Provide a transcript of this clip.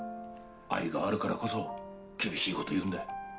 愛があるからこそ厳しい事言うんだよ。